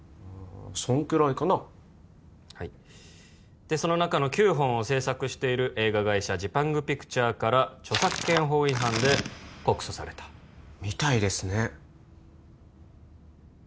そんくらいかなはいでその中の９本を製作している映画会社「ジパングピクチャー」から著作権法違反で告訴されたみたいですね